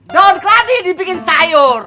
daun keladi dibikin sayur